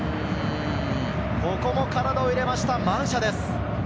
ここも体を入れました、マンシャです。